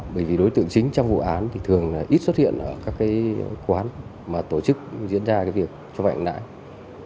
bởi vì đối tượng chính trong vụ án thì thường ít xuất hiện ở các cái quán mà tổ chức diễn ra cái việc cho vay lãi